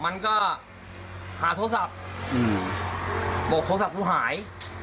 มันก็หาโทรศัพท์บอกโทรศัพท์กูหาย